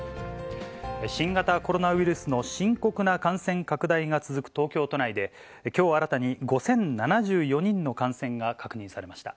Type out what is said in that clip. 新型コロナウイルスの深刻な感染拡大が続く東京都内で、きょう新たに５０７４人の感染が確認されました。